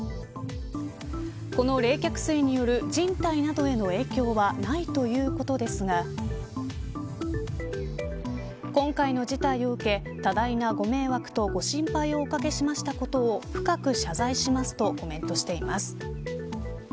この冷却水による人体などへの影響はないということですが今回の事態を受け多大なご迷惑とご心配をお掛けしましたことを深く謝罪しますとコメントしています。